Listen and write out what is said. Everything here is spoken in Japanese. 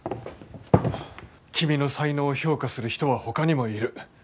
君の才能を評価する人はほかにもいる。